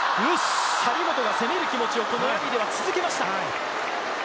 張本が攻める気持ちをこのラリーでは続けました。